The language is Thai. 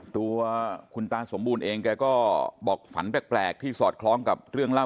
ตัวคุณตาสมบูรณ์เองแกก็บอกฝันแปลกที่สอดคล้องกับเรื่องเล่า